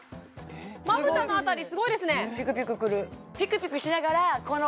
まぶたの辺りすごいですねピクピク